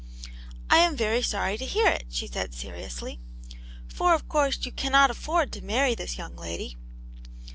" I am very sorry to hear it," she said, seriously. "For of course you cannot afford to marry this young lady."